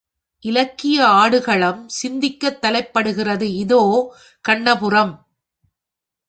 இலக்கிய ஆடுகளம் சிந்திக்கத் தலைப்படுகிறது இதோ, கண்ணபுரம்!